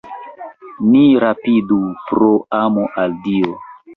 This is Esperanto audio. Ni rapidu, pro amo al Dio!